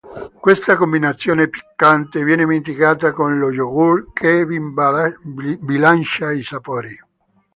Questa combinazione piccante viene mitigata con lo yogurt che bilancia i sapori.